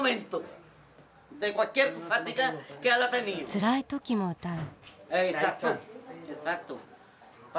つらいときも歌う。